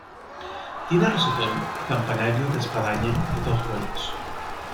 Tiene rosetón y campanario de espadaña de dos huecos.